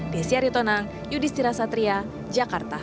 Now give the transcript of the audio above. desyari tonang yudhistira satria jakarta